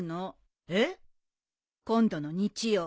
えっ？今度の日曜。